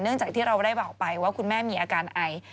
จากที่เราได้บอกไปว่าคุณแม่มีอาการไอ